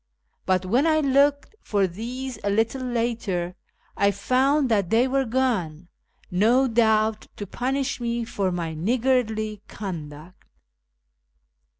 But when I looked for these a little later, I found that they were gone, no doubt to punish me for my niggardly conduct."